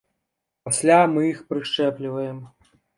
Пасля мы іх прышчэпліваем.